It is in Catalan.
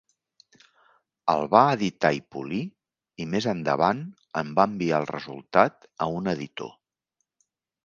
El va editar i polir i més endavant en va enviar el resultat a un editor.